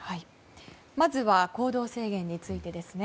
まずは行動制限についてですね。